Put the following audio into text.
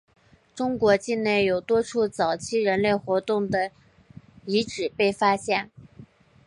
中国境内有多处早期人类活动的遗址被发现。